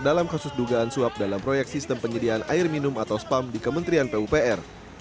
dalam kasus dugaan suap dalam proyek sistem penyediaan air minum atau spam di kementerian pupr